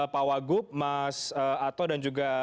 pak wagub mas ato dan juga